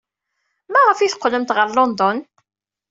Maɣef ay teqqlemt ɣer London?